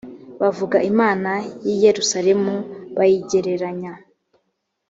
bavuga imana y i yerusalemu bayigereranya